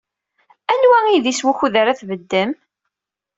Anwa idis wukud ara tbeddem?